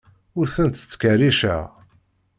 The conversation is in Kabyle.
Ur tent-ttkerriceɣ.